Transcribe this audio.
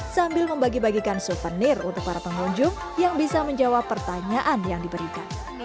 sambil membagi bagikan souvenir untuk para pengunjung yang bisa menjawab pertanyaan yang diberikan